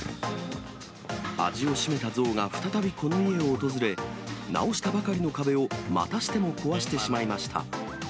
味を占めた象が再びこの家を訪れ、直したばかりの壁をまたしても壊してしまいました。